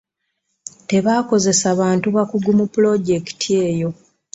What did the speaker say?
Tebaakozesa bantu bakugu mu pulojekiti eyo.